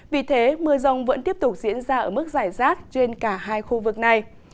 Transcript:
vì thế mưa rông vẫn tiếp tục diễn ra ở mức giải rác trên cả hai khu vực này